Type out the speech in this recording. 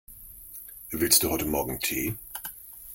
Willst du heute morgen Tee?